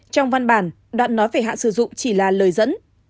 trong văn bản đoạn nói về hạn sử dụng chỉ là lời dẫn